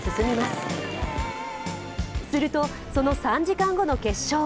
すると、その３時間後の決勝。